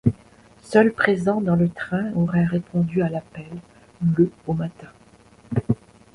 Seuls présents dans le train auraient répondu à l'appel le au matin.